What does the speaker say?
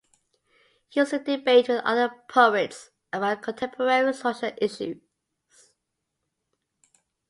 He used to debate with other poets about contemporary social issues.